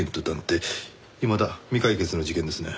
いまだ未解決の事件ですね。